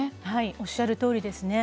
おっしゃるとおりです。